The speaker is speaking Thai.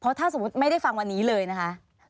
เพราะถ้าสมมติไม่ได้ฟังวันนี้เลยนะครับ